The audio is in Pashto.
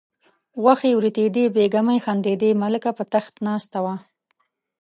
غوښې وریتېدې بیګمې خندېدې ملکه په تخت ناسته وه.